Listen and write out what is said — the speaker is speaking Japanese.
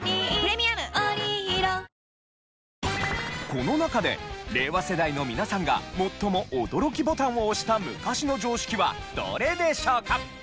この中で令和世代の皆さんが最も驚きボタンを押した昔の常識はどれでしょうか？